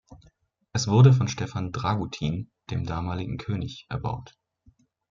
Es wurde von Stefan Dragutin, dem damaligen König, erbaut.